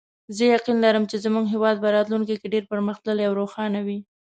زه یقین لرم چې زموږ هیواد به راتلونکي کې ډېر پرمختللی او خوشحاله وي